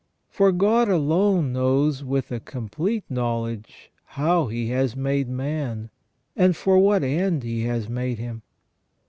For God alone knows with a complete knowledge how He has made man, and for what end He has made him.